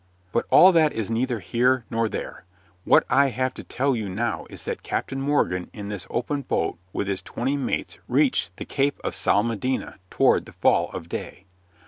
But all that is neither here nor there; what I have to tell you now is that Captain Morgan in this open boat with his twenty mates reached the Cape of Salmedina toward the fall of day.